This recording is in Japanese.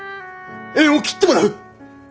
縁を切ってもらう。